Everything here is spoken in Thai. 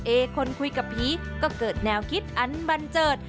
เอคนคุยกับผีก็เกิดแนวคิดอันบันเจิด